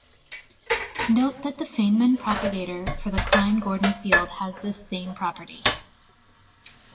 Note that the Feynman propagator for the Klein-Gordon field has this same property.